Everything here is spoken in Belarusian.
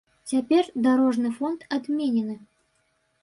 Цяпер дарожны фонд адменены.